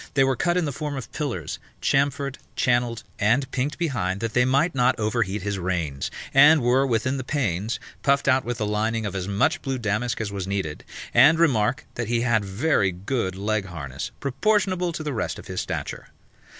They were cut in the form of pillars, chamfered, channelled and pinked behind that they might not over heat his reins: and were, within the panes, puffed out with the lining of as much blue damask as was needful: and remark, that he had very good leg harness, proportionable to the rest of his stature.